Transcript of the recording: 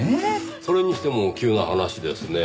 それにしても急な話ですねぇ。